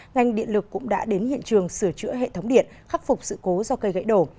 ngành điện lực cũng đã đến hiện trường sửa chữa hệ thống điện khắc phục sự cố do cây gãy đổ